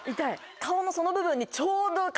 顔のその部分にちょうど。